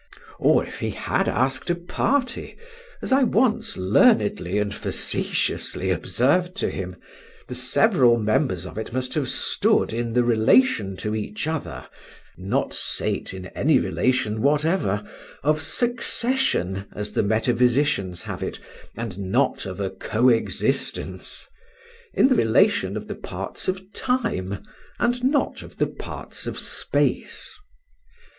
Or, if he had asked a party—as I once learnedly and facetiously observed to him—the several members of it must have stood in the relation to each other (not sate in any relation whatever) of succession, as the metaphysicians have it, and not of a coexistence; in the relation of the parts of time, and not of the parts of space.